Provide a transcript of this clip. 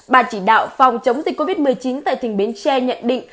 bà chỉ đạo phòng chống dịch covid một mươi chín tại tỉnh bến tre nhận định